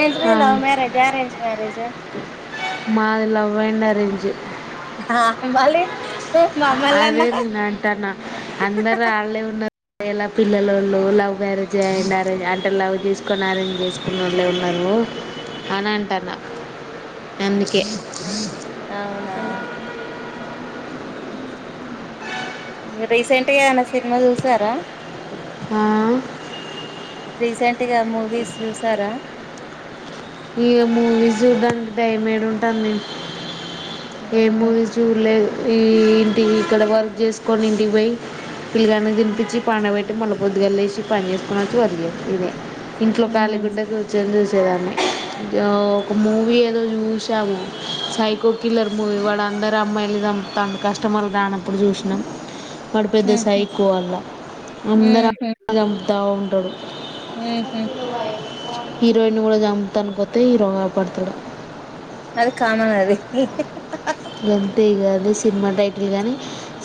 ేజ love marriage arrange marriage మాది love and arrange మళ అదే నేను అంటాన్నా అందరుూ వాళ్ళే ఉన్న ేలా పిల్ల వాళ్ళు లవ్ మ్యారేజ్ అం అరేంజ్ అంటే లవ్ చేసుకొని అరేంజ్ చేసుకున్న వాళ్ళే ఉన్నారు అని అంటారు నా ఆ అవునా రీసెంట్గాన్న సినిమా చూసారా ఆ రీసెంట్గా మూవీస్ చూసారా ఇ మూవీస్ దానికి దయమేడి ఉంటాను నేను ఏ మూ వి చూలే ఈ ఇంటి ఇక్కడ వర్క్ జేసుకొని ఇంటికి బొయ్ పిల్లగానికి దినిపించి పండ వెట్టి మల్ల పొద్దుగాల్లే లేసి పని చేసుకొనెచ్చి వాడిగి ఇదే ఇంట్లో కాళీగుడ్డకి చ్చొని చూస్ చేయాల్నే ఒక మూవి ఏదో జూస్ ము సైకో కిల్లర్ మూవీ వాడు అందరు అమ్మాయిల్ని. సంపు తాండు కష్టం [unintelligible] అప్పుడు చూసినాం వాడు పెద్ద సైకో వల్ల అందరు అమ్మాయిల్ని చంపుతూ ఉంటడు హీరోయిన్ని గూడా చంపు ఇంగొత్తే హీరో గాపాడుతాడు అది కామన్ అది ఎంట్రీ గాని సినిమా టైటిల్ గాని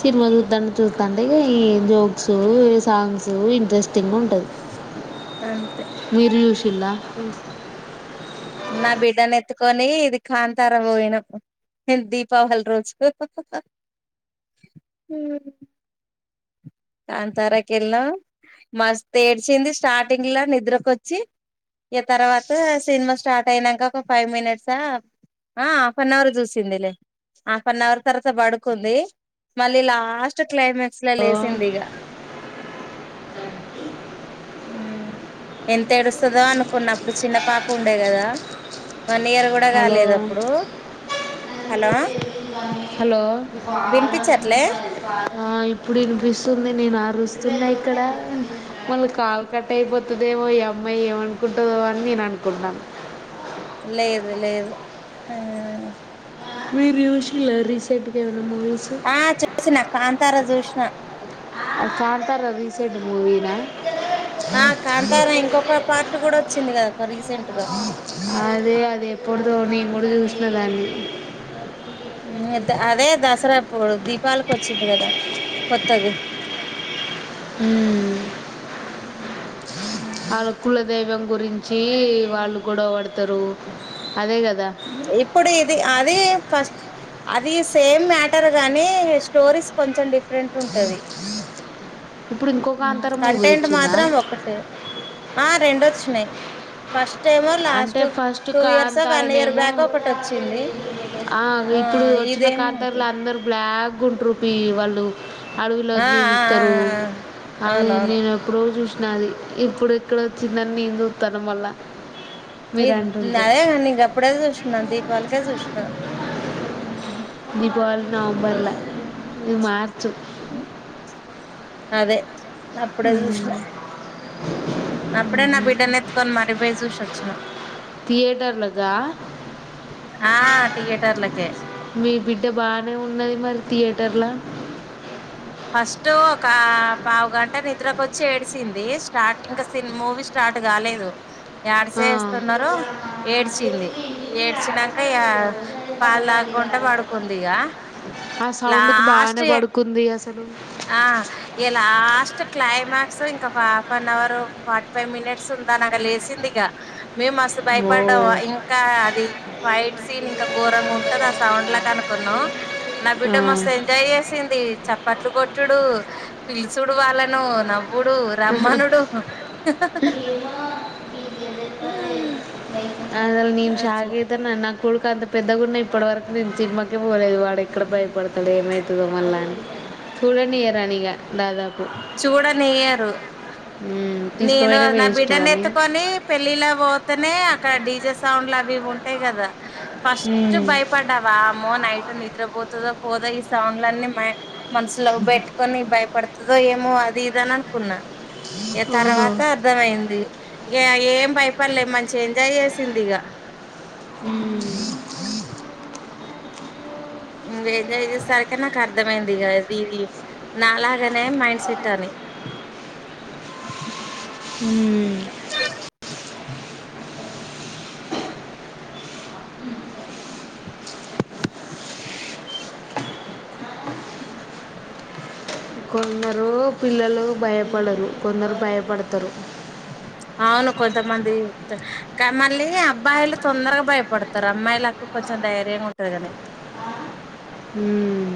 సినిమా చూద్దం అని చూస్తంటే ఇగ ఈ జో క్స్ సాంగ్సు ఇంట్రెస్ట్ టింగా ఉంటది మీరు చూసిల్లా ఉ నా బిడ్డను ఎత్తుకొని ఇది కాంతార పోయినప్పుడు దీపావళి రోజు ఉ కాంతారకి వెళ్ళం మస్ ఏడ్చింది స్టార్టింగ్ లో నిద్రకొచ్చి ఇగ తర్వాత సినిమా స్టార్ట్ అయినాంక ఒక ఫైవ్ మినిట్సా ఆ హాఫ్ అన్ అవర్ చూసింది లే హాఫ్ అన్ అవర్ తర్వాత పడుకుంది మళ్ళీ లాస్ట్ క్లైమాక్స్ ల లేస్ సింది ఇగ ఉ ఎం తెరుస్తుదో అనుకున్న అప్పుడు చిన్న పాప ఉండే కదా వన్ ఇయర్ గూడా హలో కాలేదు అప్పుడు హలో హలో వినిపించట్లే ఆ ఇప్పుడు వినిపిస్తుంది నేను ఆరుస్తున్నా ఇక్కడ మళ్ళీ కాల్ కట్ అయిపో వత్తుదేమో ఈ అమ్మాయి ఏమనుకుంటదో అని నేను అనుకుంటన్నాను లేదు లేదు హా మీరు జూషిల్ల రీసెంట్ గా ఏమైనా మూవీస్ ఆ చూసిన కాం తారా జూష్ణా కాంతార రీసెడ్ మూవి నా ఆ కాంతారా ఇంకొక పార్ట్ గూడా వచ్చింది కదా రీసెంట్ గా న దాన్ని అదే దసరా అప్పుడు దీపావలికి వచ్చింది కదా కొత్తది ఆ అలాకులది దైవం గురించి వాళ్ళు గొడవ బడతారు ఇప్పుడు ఇది అది ఫస్ట్ అది సేమ్ మ్యాటర్ గాని స్టోరీస్ కొంచం డిఫర్ రెంట్ ఉంటది ఇప్పుడు ఇంకో కాంతార మూవీ కంటెంట్ వచ్చిందా మాత్రం ఒకటి ఆ రెండోచ్ నే ఫస్ట్ స్టెమో అంటే last first two years one year కాంతారనేమో ఆ ఇప్పుడు వచ్చిన ఇదేమో ఇది కాంతర్లు అందరు బ్లాక్ గుంట్రూపి వాళ్ళు అడవిలో ఆ ఆ జీవిస్తరు ఆ అది అవునవును నేను ఎప్పుడో చూస్ నాది ఇప్పుడు ఇక్కడ వచ్చిందని నేన్ చూస్తన్న మల్ల గదే నేను గప్పుడే జూసిన దీపావళికి ప్పుడే జూస్నా ఉమ్ దీపావళి నవంబర్ల ఇది మార్చ్ అ అదే నప్పుడే జూసీనా నప్పుడే నా బిడ్డనెత్తుకొని మారి పోయి చూసోచ్ వచ్చిన థియేటర్లగా ఆ థీయేటర్లకే థియేటర్ల ఫస్ట్ ఒక పావుగంట నిద్రకొచ్చి ఏడ్చింది స్టార్ట్ ఇంకా సి మూవీ స్టార్ట్ కాలేదు యాడ ఆ సేస్తున్నరో ఏడ్చింది ఏడ్చినంక ఇగ పాలు తాక్కుంట పడుకుందిగ ఆ సౌండ్కు బానే లాస్ట్ ఏ పడుకుంది అసలు ఆ ఇగ లాస్ట్ క్లైమాక్స్ ఇంకొక half an hour forty five minutes ఉందనంగా లేసిందిగ మేమ్మస్త్ ఓ భయపడ్డాం ఇంకా అది ఫైట్ సీన్ ఇంక ఘోరంగా ఉంటది ఆ సౌండ్ లా కనుకున్నో నా బిడ్డ ఆ మస్థ్ ఎంజాయ్ చేసింది చ పట్లు కొట్టుడు పిలుచుడు వాళ్ళను నవ్వు వ్వుడు రమ్మణుడు ఆ అసల్ నేన్ షాక్ అయితన్న నాక్ కొడుకంత పెద్దగున్న ఇప్పటివరకు నేను సిన్మాకే పోలేదు వాడు ఎక్కడ భయపడతాడు ఏమయితదో మళ్ళా అని చూడనియ్యరనిగ చూడనియ్యరు. ఉమ్ నేను తీసుకుపోయిన నా వేస్ట్ బిడ్డని కానీ ఎత్తుకొని పెళ్ళిలో పోత్ అస్తనే అక్కడ డీజే సౌండ్లు అవి ఇవి ఉంటాయి కదా ఫస్ట్ ఆ భయపడ్డావ అమ్మో నైట్ నిద్ర పోతదో హోదా ఈ సౌండ్లన్నీ మ్య మనసులో పెట్టుకొని భయపడ్ ఇగ్గ ఏమో అది ఇద అని అనుకున్నా ఇ తర్వాత అర్థం అయింది ఇగ ఏం భయపడలే మంచి ఎంజాయ్ చేసింది ఇగ హ్మ్ ఇంగ ఎంజాయ్ చేసరికి నాకు అర్థమైంది ఇది నాలాగ నే మైండ్ సెట్ అని కొందరు పిల్లలు భయపడరు కొందరు భయపడతరు అవును కొంతమంది కా మళ్ళీ అబ్బాయిలు తొందరగా భయపడతరు అమ్మాయిలకు కొంచెం ధైర్యంగా ఉంటది కాని హ్మ్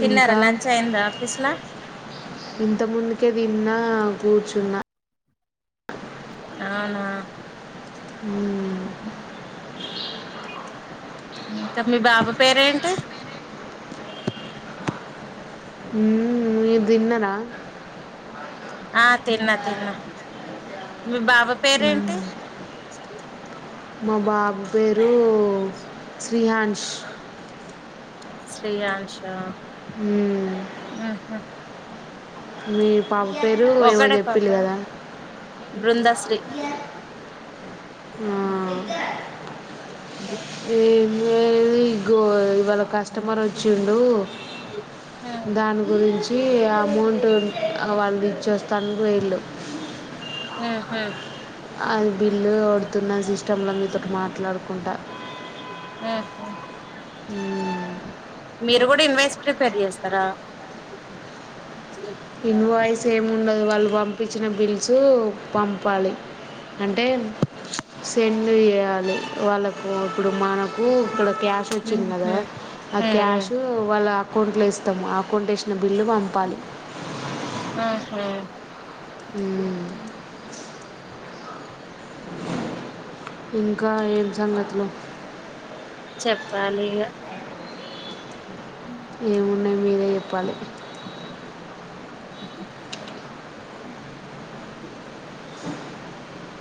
తిన్నారా ఇంకా లంచ్ అయిందా ఆఫీస్లా కె విన్నా కూర్చున్నా అవునా హ్మ్ హ్మ్ చెప్ మీ బాబా పేరేంటి హ్మ్ మీర్ తిన్నరా ఆ తిన్నా తిన్నా మీ బాబా పేరేంటి మా బాబు పేరు శ్రీహన్ శ్రీయంషా హ్మ్ హ్ మీరు ఒకడే పాప బృందాశ్రీ ఆ ఏం లేదు ఇగో వాల్ ఒక కస్టమర్ వచ్చిండు దాని గురించి తి అమౌంట్ వాళ్ళుది ఇచ్చేస్తాను అని పోయిల్లు ఆహ అది బిల్లు కోడుతున్న సిస్టంలో మీతోటి మాట్లాడుకుంటా ఆ హ హ్మ్ మీరు కూడా ఇన్వెస్ట్ ప్రిపేర్ చేస్తారా ఇన్ వాయిస్ సేమ్ ఉండదు వాళ్ళు పంపించిన బిల్స్ పంపాలి. అంటే సెండ్ చేయాలి వాళ్ళకు ఇప్పుడు మనకు ఇక్కడ క్యాష్ వచ్చింది కదా ఉహు ఆ ఉహు క్యాష్ వాళ్ళ అకౌంట్ లో ఇస్తా ఆ అకౌంట్ ఇ బిల్లు పంపాలి. ఆహా ఇంకా ఏం సంగతులు. చెప్పాలి ఇగ ఏమున్నాయి మీరే చెప్పాలి.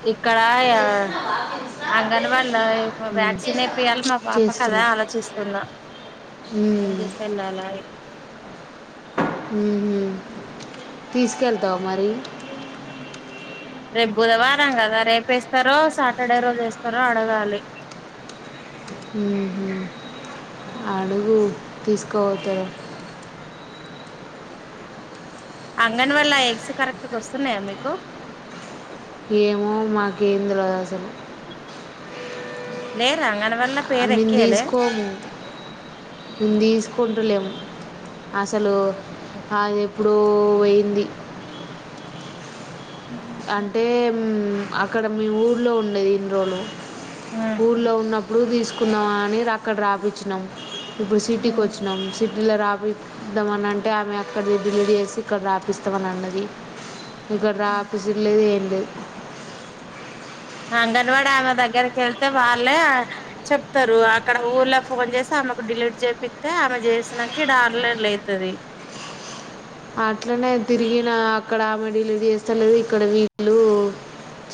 ఎ ఇక్కడ అంగన్వాడిల మ్మ్. వ్యాక్సిన్ ఏపీయాలి. మా పాప అదే చేస్తున్నా ఆలోచిస్తున్నా ఏం మ్మ్. తీసుకెళ్లాల. ఉహూ తీసుకెళ్తావు మరి. రేపు బుధవారం కదా రేపు వేస్తారో సాటర్డే రోజు వేస్తారో అడగాలి. అడుగు తీసుకోపోతారు. అంగన్వాడిలా ఎగ్స్ కరెక్ట్ వస్తున్నాయా మీకు ఏమో మాకేం తెల్వదాసలు. లేరా అంగన్ వల్ల అ పేరు మేం ఎక్కియలే తీసుకోము. మేం తీసుకుంటలేము అసలు. అదే ఎప్పుడో పోయింది. అంటే మ్మ్ ఇక్కడ మీ ఊర్లో ఉండేది ఇన్ని రోజులు ఊర్ల్లో ఉన్నప్పుడు తీసుకు కుందం అని అక్కడ రాపిచ్చినాం ఇప్పుడు సిటీకి వచ్చినాం సిటీలో రా రాపిద్దామని అంటే ఆమె అక్కడి డిలీట్ చేసి ఇక్కడ రాపిస్తామని అన్నది. ఇక్కడ లేదు ఏమీ లేదు. అంగన్వాడీ ఆమె దగ్గరకి వెళ్తే వాళ్ళే చెప్తారు. అక్కడ ఊర్ళ ఫోన్ చేసి ఆమెకు డిలీట్ చేపిస్తతే ఆమె చేసినట్లు ఇక్కడ ఆన్లైన్లో అయితది. అట్లనే తిరిగిన అక్కడ ఆమే డిలీట్ చేస్తలేరు. ఇక్కడ వీళ్ళు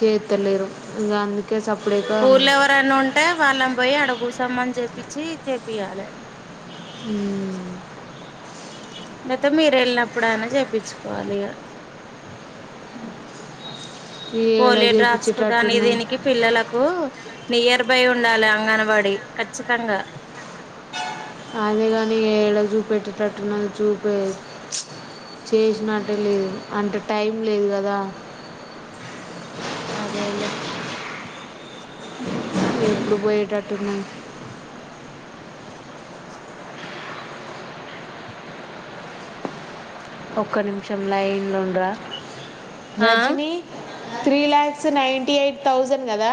చేస్తలేరు. ఇంకా అందుకే సప్పుడేక ఊర్ల ఎవరైనా ఉంటే వాళ్ళం పోయి అడ కుసోమ్మని చెప్పించి చెప్ చెప్పియాలే. ఉమ్ అయితేమీరు వెళ్ళినప్పుడు అయినా చేపించుకోవాలే ఇగ ఏడ పోలియో డ్రాప్స్ కు దాని కి చేపించేటట్టున్నది దీనికి పిల్లలకు నియర్ బై ఉ ఉండాలి అంగన్వాడి ఖచ్చితంగా అదేగాని ఏడ చూపెట్టేటట్టు తుంది చూపే చేసినటే లేదు అంటే టైం లేదు కదా అదేలే ఎప్పుడు పోయేటటుంది ఒక్క నిమిషం లైన్ లైన్ లో ఉండరా ఆ Rajini three lakhs ninety eight thousand కదా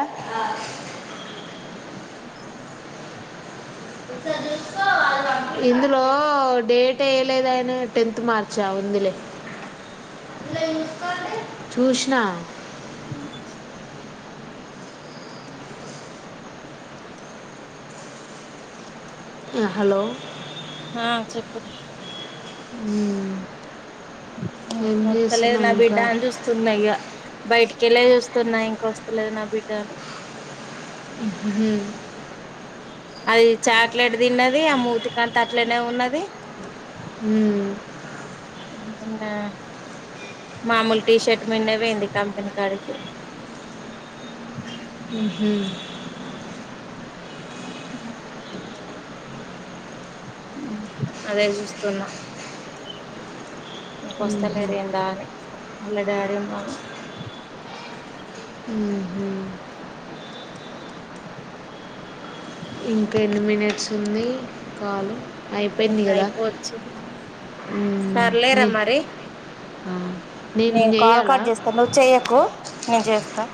ఇందులో డేట్ ఏయా లేదుయని టెన్త్ మార్చా ఉందిలే చూసినా హలో ఆ చెప్పు మ్మ్ ఏం పొత్తలేదు చేస్తున్నాం నా బిడ్డ ఇంకా అని చూస్తున్నా ఇక బయటికెళ్ళ చూస్తున్నా ఇంక వస్తలేదు నా బిడ్డ అని హ అది చాక్లెట్ తిన్నది ఆ మూతికంత అట్లనే ఉన్నది మ్మ్ మామూలు టీషర్ట్ మీనే పోయింది కంపెనీ కాడికి మ్మ్. హ్మ్ అదే చూస్తునా ఇంకా మ్మ్. వస్తలేర్ ఎందా అని ఆళ్ళ డాడీ ఉన్న మ్మహు ఇంక ఎన్ని మినిట్స్ ఉంది కాలు అయిపోయింది ఇంకా కదా అయిపోవచ్చు నీ ఆ నేను నే కాల్ చేయాలా కట్ చేస్తాను నువ్వు చెయ్యకు నేను చేస్తా